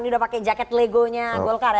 ini udah pakai jaket legonya golkar ya